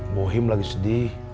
bohim lagi sedih